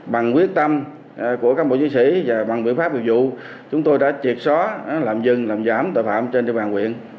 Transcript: bằng quyết tâm của các bộ giới sĩ và bằng biện pháp biểu dụ chúng tôi đã triệt xóa làm dừng làm giảm tội phạm trên trường hàng quyền